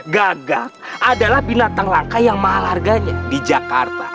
gagak adalah binatang langka yang malarganya di jakarta